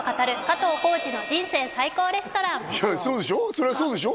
そりゃそうでしょ？